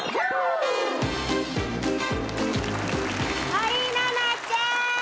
森七菜ちゃーん！